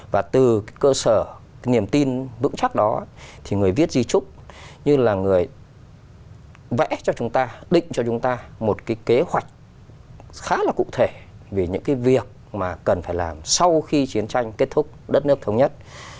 và từ cơ sở cái niềm tin vững chắc đó thì người viết di trúc như là người vẽ cho chúng ta định cho chúng ta một cái kế hoạch khá là cụ thể về những cái việc mà cần phải làm sau khi chiến tranh kết thúc đất nước thống nhất